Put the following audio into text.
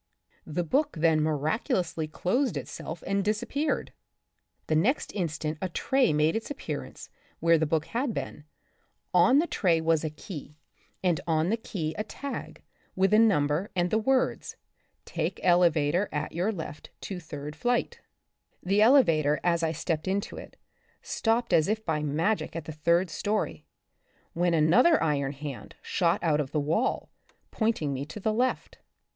The book then miraculously closed itself and disappeared ! The next instant a tray made its appearance where the book had been, on the tray was a key, and on the key a tag with a number and the words, Take ele vator at your left to third flight'' The elevator as I stepped into it, stopped as if by magic at the third story, when another iron hand shot out of the wall, pointing me to the left.